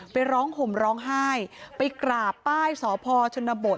ไปร้องห่มร้องไห้ไปกราบป้ายสพชนบท